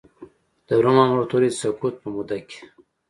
د روم امپراتورۍ د سقوط په موده کې.